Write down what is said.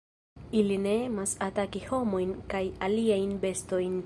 Ili ne emas ataki homojn kaj aliajn bestojn.